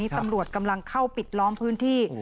ตำรวจกำลังเข้าปิดล้อมพื้นที่